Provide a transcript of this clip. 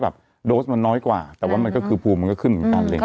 อ่ะอย่างนี้เล่าให้ฟังนะอืมเชื่อมั้ย